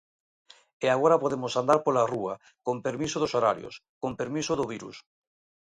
E agora podemos andar pola rúa, con permiso dos horarios, con permiso do virus.